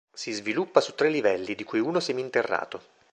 Si sviluppa su tre livelli, di cui uno seminterrato.